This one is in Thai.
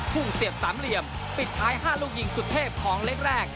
เสียบสามเหลี่ยมปิดท้าย๕ลูกยิงสุดเทพของเล็กแรก